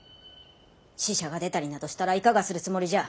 死者が出たりなどしたらいかがするつもりじゃ！